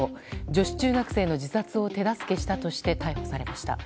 女子中学生の自殺を手助けしたとして逮捕されました。